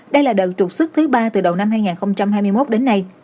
đây là đợt trục xuất thứ ba từ đầu năm hai nghìn hai mươi một đến nay